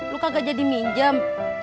lo kagak jadi minjam